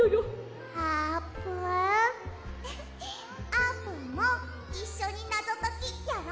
あーぷんもいっしょにナゾときやろ！